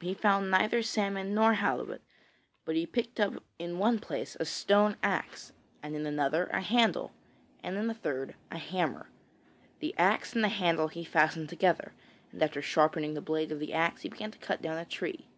He found neither salmon nor halibut, but he picked up in one place a stone axe, and in another a handle, and in a third a hammer. The axe and the handle he fastened together, and after sharpening the blade of the axe he began to cut down a tree.